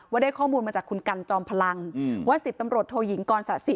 ได้ข้อมูลมาจากคุณกันจอมพลังว่า๑๐ตำรวจโทยิงกรสะสิ